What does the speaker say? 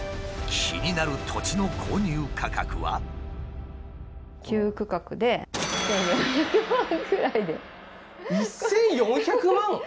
気になる土地の購入価格は？１，４００万？